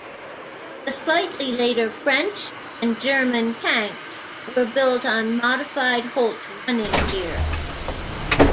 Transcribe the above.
The slightly later French and German tanks were built on modified Holt running gear.